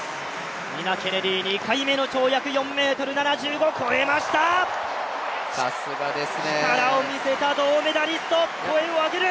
ニナ・ケネディ２回目の跳躍、４ｍ７５超えました力を見せた、銅メダリスト、声を上げる！